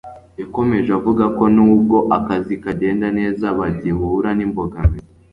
yakomejeje avuga ko n'ubwo akazi kagenda neza bagihura n'imbogamizi